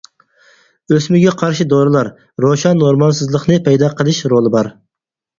ئۆسمىگە قارشى دورىلار: روشەن نورمالسىزلىقنى پەيدا قىلىش رولى بار.